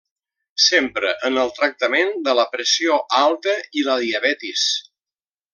S'empra en el tractament de la pressió alta i la diabetis.